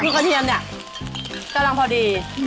คือกระเทียมเนี่ยกำลังพอดี